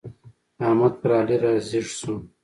احمد پر علي را ږيز شو.